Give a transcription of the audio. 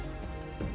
dia juga menangis